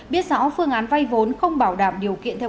biết rõ phương án vay vốn không bảo đảm điều kiện theo